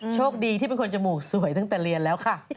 โชคดีที่เป็นคนจมูกสวยตั้งแต่เรียนแล้วค่ะ